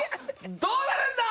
どうなるんだ？